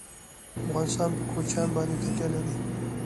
افغانستان په کوچیان باندې تکیه لري.